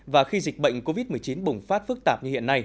và khi dịch bệnh covid một mươi chín bùng phát phức tạp như hiện nay